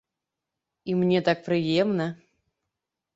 І мне так прыемна.